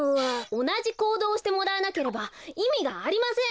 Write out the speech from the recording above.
おなじこうどうをしてもらわなければいみがありません！